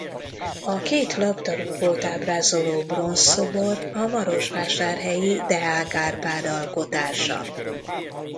A két labdarúgót ábrázoló bronzszobor a marosvásárhelyi Deák Árpád alkotása.